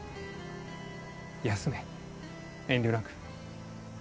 休め遠慮なく。